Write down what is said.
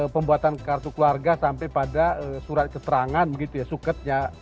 pembuatan kartu keluarga sampai pada surat keterangan suketnya